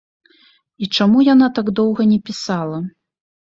І чаму яна так доўга не пісала?